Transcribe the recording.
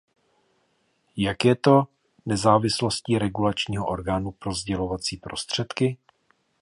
Jak je to nezávislostí regulačního orgánu pro sdělovací prostředky?